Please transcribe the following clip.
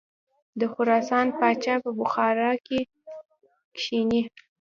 د خراسان پاچا په بخارا کې کښیني.